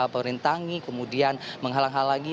perintangi kemudian menghalang halangi